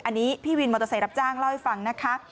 อันนี้พี่วินมอเตอร์ไซค์รับจ้างเล่าให้ฟังนะคะ